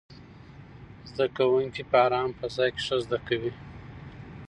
زده کوونکي په ارامه فضا کې ښه زده کوي.